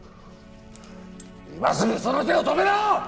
今すぐその手を止めろ！